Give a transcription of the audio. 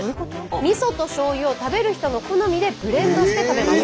みそとしょうゆを食べる人の好みでブレンドして食べます。